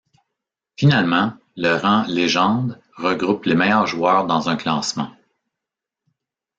Finalement, le rang Légende regroupe les meilleurs joueurs dans un classement.